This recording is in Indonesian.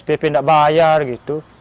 spp enggak bayar gitu